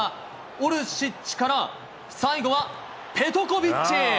オルシッチから、最後はペトコビッチ。